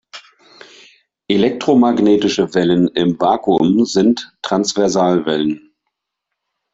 Elektromagnetische Wellen im Vakuum sind Transversalwellen.